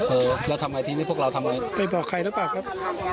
เออแล้วทำให้ทีนี้พวกเราทำให้ไปบอกใครแล้วป่ะครับ